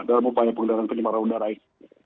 dalam upaya pengendalian pencemaran udara ini